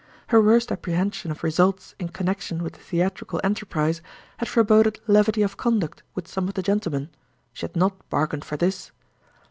Her worst apprehension of results in connection with the theatrical enterprise had foreboded levity of conduct with some of the gentlemen—she had not bargained for this.